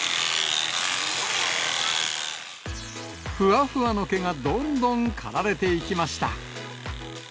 ふわふわの毛がどんどん刈られていきました。